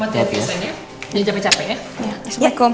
jadi capek capek ya